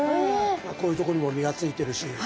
こういうとこにも身がついてるし。